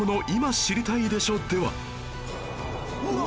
うわ！